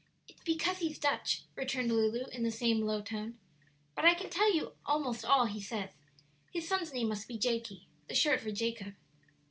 "It's because he's Dutch," returned Lulu, in the same low tone. "But I can tell almost all he says. His son's name must be Jakey; the short for Jacob."